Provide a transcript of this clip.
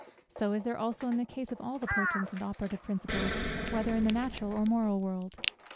So is there also in the case of all the potent and operative principles, whether in the natural or moral world.